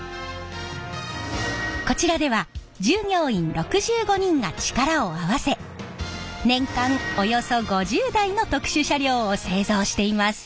こちらでは従業員６５人が力を合わせ年間およそ５０台の特殊車両を製造しています！